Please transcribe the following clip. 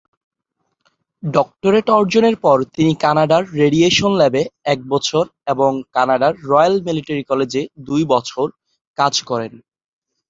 Doctorate অর্জনের পরে তিনি কানাডার রেডিয়েশন ল্যাবে এক বছর এবং কানাডার রয়েল মিলিটারী কলেজে দুই বছর কাজ করেন।